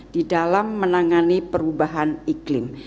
di dalam menangani perubahan iklim